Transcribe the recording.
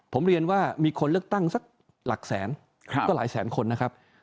ผมเรียนว่ามีคนเลือกตั้งสักหลักแสนก็หลายแสนคนนะครับ